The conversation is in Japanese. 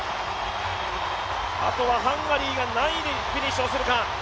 あとはハンガリーが何位でフィニッシュをするか。